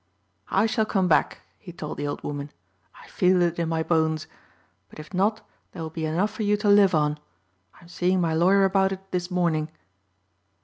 "I shall come back," he told the old woman, "I feel it in my bones. But if not there will be enough for you to live on. I am seeing my lawyer about it this morning."